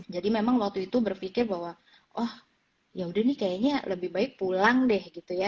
jadi memang waktu itu berpikir bahwa oh yaudah nih kayaknya lebih baik pulang deh gitu ya